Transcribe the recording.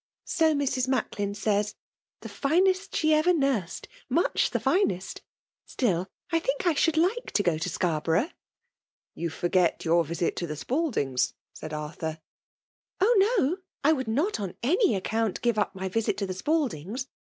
" So Mrs. Macklin says — ^the finest she ever nursed — ^much the finest ! Still I think I should like to go to Scarborough." " You forget your visit to the Spaldings/* said Arthur. *' Oh ! no — I would not, on any account, give up my visit to the Spaldings.